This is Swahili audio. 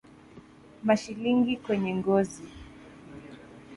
Mashilingi kwenye ngozi